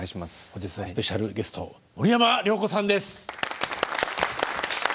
本日のスペシャルゲスト森山良子さんです。